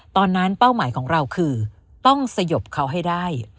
เป้าหมายของเราคือต้องสยบเขาให้ได้